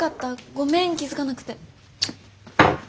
ごめん気付かなくて。